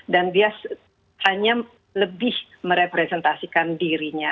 dan dia hanya lebih merepresentasikan dirinya